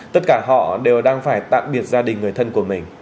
tất cả họ đều đang phải tạm biệt gia đình người thân của mình